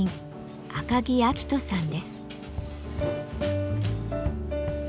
赤木明登さんです。